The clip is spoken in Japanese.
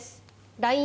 ＬＩＮＥ